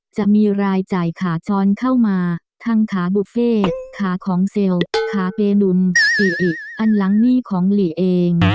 จะมีรายจ่ายขาช้อนเข้ามาทั้งขาบุฟเฟ่ขาของเซลล์ขาเปลุมอิอิอันหลังนี่ของหลีเอง